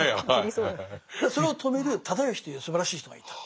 それを止める直義というすばらしい人がいた。